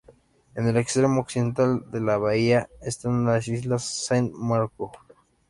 En el extremo occidental de la bahía están las islas Saint-Marcouf.